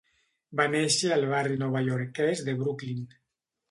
Va néixer al barri novaiorquès de Brooklyn.